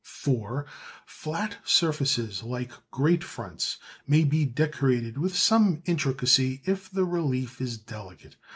(4) Flat surfaces like grate fronts may be decorated with some intricacy if the relief is delicate.